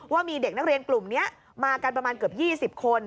ว่ามีเด็กนักเรียนกลุ่มนี้มากันประมาณเกือบ๒๐คน